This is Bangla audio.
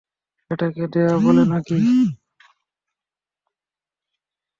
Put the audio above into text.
এটাকে দেয়া বলে নাকি?